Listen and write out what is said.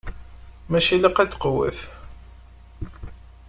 Maca ilaq ad tqewwet.